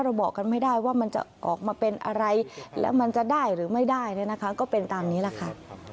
บอกกันไม่ได้ว่ามันจะออกมาเป็นอะไรแล้วมันจะได้หรือไม่ได้เนี่ยนะคะก็เป็นตามนี้แหละค่ะ